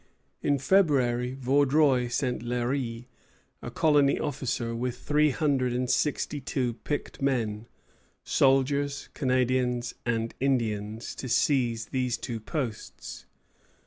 In February Vaudreuil sent Léry, a colony officer, with three hundred and sixty two picked men, soldiers, Canadians, and Indians, to seize these two posts.